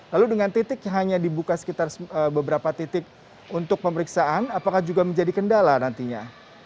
lalu dengan titik hanya dibuka sekitar beberapa titik untuk pemeriksaan apakah juga menjadi kendala nantinya